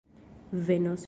venos